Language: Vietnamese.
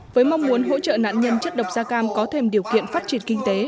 với mong muốn hỗ trợ nạn nhân chất độc da cam có thêm điều kiện phát triển kinh tế